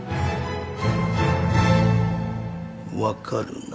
分かるな？